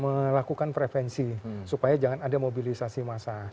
melakukan prevensi supaya jangan ada mobilisasi massa